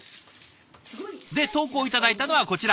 で投稿頂いたのはこちら。